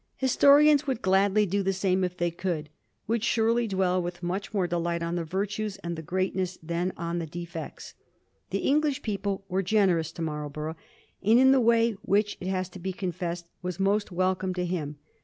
Historians would gladly do the same if they could ; would surely dwell with much more delight on the virtues and the greatness than on the defects. The English people were generous to Marlborough, and in the way which, it has to be confessed, was most welcome to him.